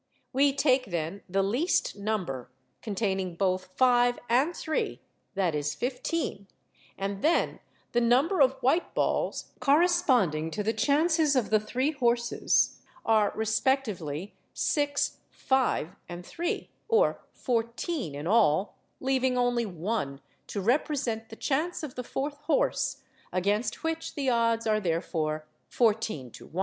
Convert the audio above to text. We take, then, the least number containing both five and three—that is, fifteen; and then the number of white balls, corresponding to the chances of the three horses, are respectively six, five, and three, or fourteen in all; leaving only one to represent the chance of the fourth horse (against which the odds are therefore 14 to 1).